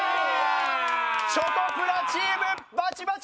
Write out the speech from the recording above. チョコプラチームバチバチ！